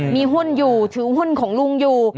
มีหุ้นอยู่ถือหุ้นของลุงอยู่